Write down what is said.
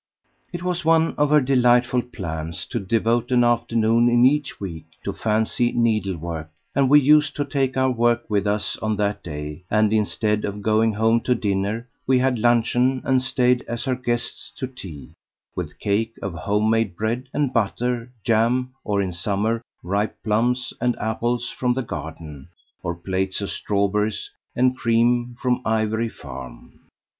It was one of her delightful plans to devote an afternoon in each week to fancy needlework; and we used to take our work with us on that day, and instead of going home to dinner we had luncheon and stayed as her guests to tea, with cake or home made bread and butter, jam, or in summer, ripe plums and apples from the garden, or plates of strawberries and cream from Ivory Farm.